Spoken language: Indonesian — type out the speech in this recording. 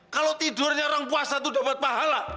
kalau tidurnya orang puasa itu dapat pahala